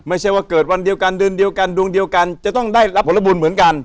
ไม่ใช่ว่าเกิดวันเดียวกันเดือนเดียวกันดวงเดียวกันจะต้องได้รับผลบุญเหมือนกัน